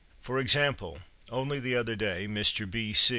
For example, only the other day, Mr. B.